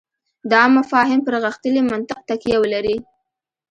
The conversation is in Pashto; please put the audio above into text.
دا مفاهیم پر غښتلي منطق تکیه ولري.